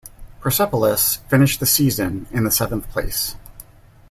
Persepolis finished the season in the seventh place.